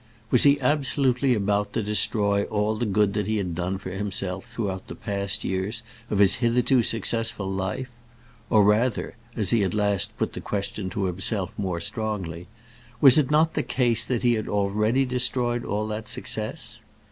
Was he absolutely about to destroy all the good that he had done for himself throughout the past years of his hitherto successful life? or rather, as he at last put the question to himself more strongly, was it not the case that he had already destroyed all that success?